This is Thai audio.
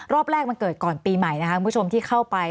รอบแรกมันเกิดก่อนปีใหม่นะคะคุณผู้ชมที่เข้าไป